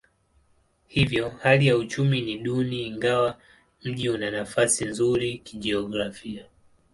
Hivyo hali ya uchumi ni duni ingawa mji una nafasi nzuri kijiografia.